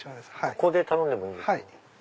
ここで頼んでもいいですか。